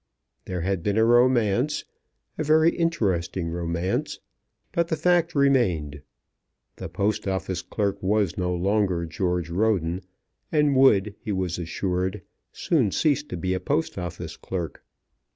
There had been a romance, a very interesting romance; but the fact remained. The Post Office clerk was no longer George Roden, and would, he was assured, soon cease to be a Post Office clerk.